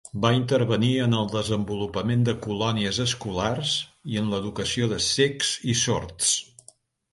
Va intervenir en el desenvolupament de colònies escolars i en l'educació de cecs i sords.